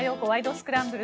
スクランブル」。